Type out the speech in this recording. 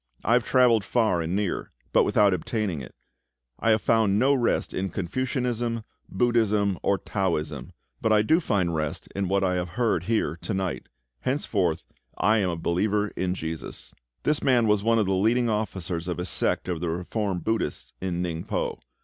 I have travelled far and near, but without obtaining it. I have found no rest in Confucianism, Buddhism, or Taoism; but I do find rest in what I have heard here to night. Henceforth I am a believer in JESUS." This man was one of the leading officers of a sect of reformed Buddhists in Ningpo.